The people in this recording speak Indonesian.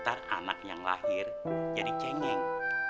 antar anak yang lahir jadi cengeng